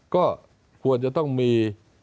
ก็ควรจะต้องมี